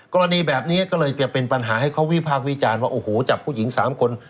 กรณีแบบนี้ก็เลยจะเป็นปัญหาให้เขาวิพากษ์วิจารณ์ว่าโอ้โหจับผู้หญิง๓คน